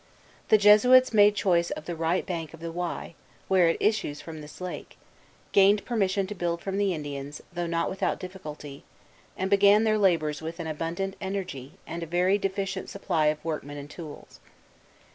The Jesuits made choice of the right bank of the Wye, where it issues from this lake, gained permission to build from the Indians, though not without difficulty, and began their labors with an abundant energy, and a very deficient supply of workmen and tools.